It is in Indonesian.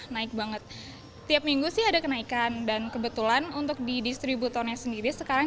naik banget tiap minggu sih ada kenaikan dan kebetulan untuk di distributornya sendiri sekarang